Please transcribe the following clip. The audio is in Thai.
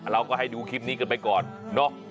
เราก็ให้ดูคลิปนี้กันไปก่อนเนอะ